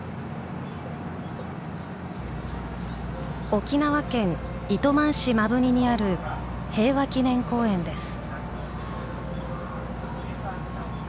沖縄県糸満市摩文仁にある平和祈念公園です。